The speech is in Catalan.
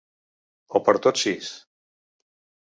O per tots sis?